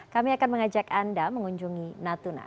kami akan mengajak anda mengunjungi natuna